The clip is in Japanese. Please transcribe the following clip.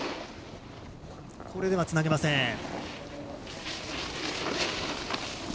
これではつなげません。